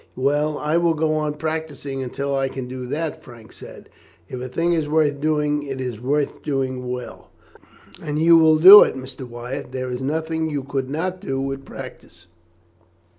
"Well, I will go on practising until I can do that," Frank said. "If a thing is worth doing it is worth doing well." "And you will do it, Mr. Wyatt; there is nothing you could not do with practice."